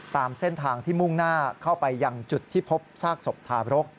ตามเส้นทางที่มุ่งหน้าเข้าไปยังจุดที่พบซากศพทาบรก